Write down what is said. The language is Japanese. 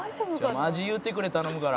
「マジ言うてくれ頼むから」